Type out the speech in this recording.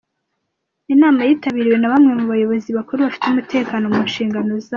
Inama yitabiriwe na bamwe mu bayobozi bakuru bafite umutekano mu nshingano zabo.